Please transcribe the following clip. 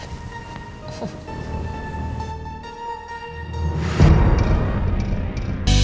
milik terakhir dampilnya melahkan